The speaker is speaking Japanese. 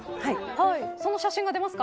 その写真が、出ますか。